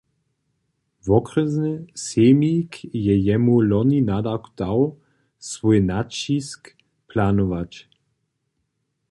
Wokrjesny sejmik je jemu loni nadawk dał swój naćisk planować.